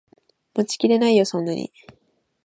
持ちきれないよそんなに